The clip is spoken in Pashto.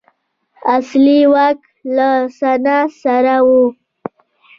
اصلي واک له سنا سره و.